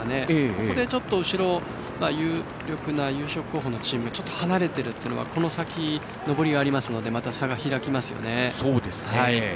ここで優勝候補のチームがちょっと離れているというのはこの先上りがありますのでまた差が開きますよね。